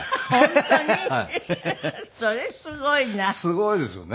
すごいですよね。